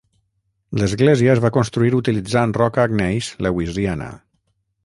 L'església es va construir utilitzant roca gneis lewisiana.